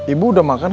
ibu udah makan kan